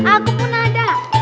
aku pun ada